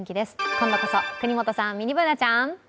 今度こそ國本さん、ミニＢｏｏｎａちゃん。